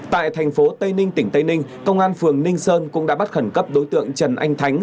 tại thành phố tây ninh tỉnh tây ninh công an phường ninh sơn cũng đã bắt khẩn cấp đối tượng trần anh thắng